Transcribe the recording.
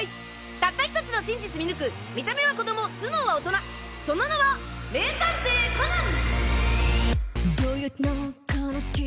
たった１つの真実見抜く見た目は子供頭脳は大人その名は名探偵コナン！